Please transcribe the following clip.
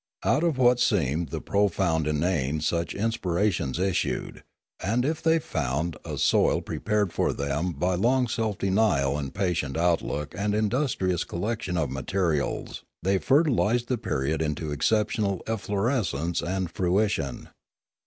Out of what seemed the pro found inane such inspirations issued, and if they found a soil prepared for them by long self denial and patient outlook and industrious collection of materials, they fertilised the period into exceptional efflorescence and fruition.